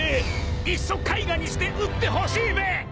［いっそ絵画にして売ってほしいべ！］